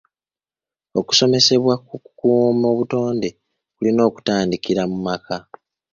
Okusomesebwa ku kukuuma obutonde kulina kutandikira mu maka.